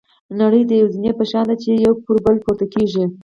نړۍ د یوې زینې په شان ده چې یو پرې پورته کېږي.